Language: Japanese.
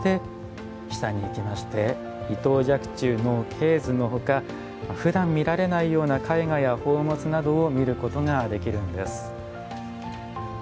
伊藤若冲の「鶏図」のほかふだん見られないような絵画や宝物などを見ることができるんです。